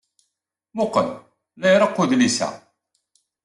Muqel, la ireqq udlis-a.